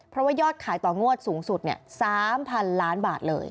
เพราะว่ายอดขายต่องวดสูงสุด๓๐๐๐ล้านบาทเลย